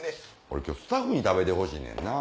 俺今日スタッフに食べてほしいねんな。